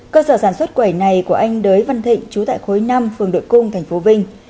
cơ sở sản xuất quẩy này của anh đới văn thịnh trú tại khối năm phường đội cung tp vinh